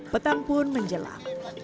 petang pun menjelang